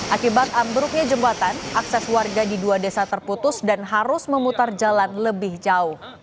akibat ambruknya jembatan akses warga di dua desa terputus dan harus memutar jalan lebih jauh